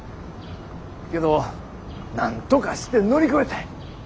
けどなんとかして乗り越えたい。